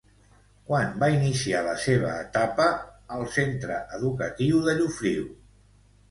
Quan va iniciar la seva etapa al centre educatiu de Llofriu?